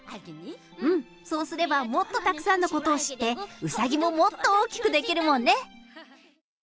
うん、そうすればもっとたくさんのことを知って、うさぎももっと大きくできるもんね。